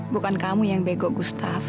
bukan kamu yang bego gustaf